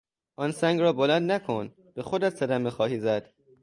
آن سنگ را بلند نکن، به خودت صدمه خواهی زد!